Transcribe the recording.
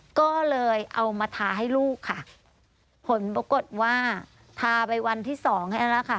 ก็เลยเอามาทาให้ลูกค่ะผลปรากฏว่าทาไปวันที่สองแค่นั้นแหละค่ะ